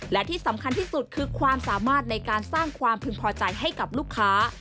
และที่สำคัญที่สุดคือความสามารถในการสร้างความพึงพอใจให้กับลูกค้า